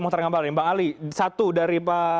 muhtaranggabal bang ali satu dari pak